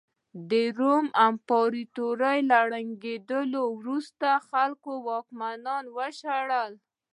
د روم امپراتورۍ له ړنګېدو وروسته خلکو واکمنان وشړل